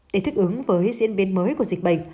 để thích ứng với diễn biến mới của dịch bệnh